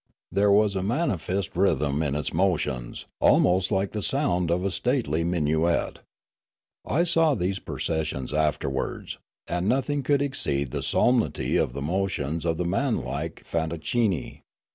There was a mani fest rhythm in its motions, almost like the sound of a stately minuet. I saw these processions afterwards ; and nothing could exceed the solemnity of the motions of the man like fantoccini.